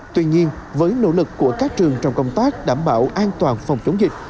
tuy nhiên với nỗ lực của các trường trong công tác đảm bảo an toàn phòng chống dịch